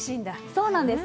そうなんです。